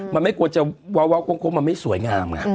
มันไม่ควรจะว้าวโค้งมันไม่สวยงามไง